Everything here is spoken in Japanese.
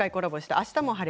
「あしたも晴れ！